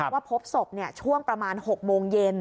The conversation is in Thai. พบศพช่วงประมาณ๖โมงเย็น